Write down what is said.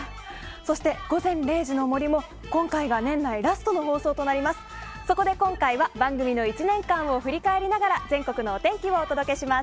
そして「午前０時の森」も今回が年内ラストの放送です。